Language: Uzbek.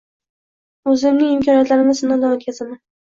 O‘zimning imkoniyatlarimni sinovdan o‘tkazaman.